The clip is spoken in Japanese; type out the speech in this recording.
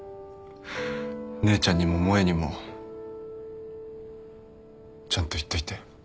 姉ちゃんにも萌にもちゃんと言っといて。